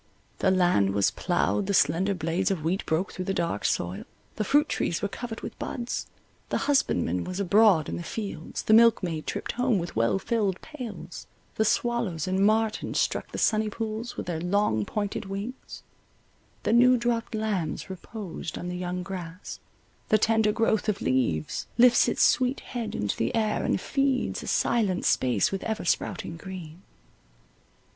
The land was ploughed, the slender blades of wheat broke through the dark soil, the fruit trees were covered with buds, the husbandman was abroad in the fields, the milk maid tripped home with well filled pails, the swallows and martins struck the sunny pools with their long, pointed wings, the new dropped lambs reposed on the young grass, the tender growth of leaves— Lifts its sweet head into the air, and feeds A silent space with ever sprouting green.